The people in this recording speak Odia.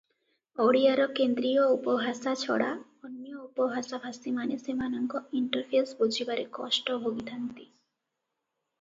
ଓଡ଼ିଆର କେନ୍ଦ୍ରୀୟ ଉପଭାଷା ଛଡ଼ା ଅନ୍ୟ ଉପଭାଷାଭାଷୀମାନେ ସେମାନଙ୍କ ଇଣ୍ଟରଫେସ ବୁଝିବାରେ କଷ୍ଟ ଭୋଗିଥାନ୍ତି ।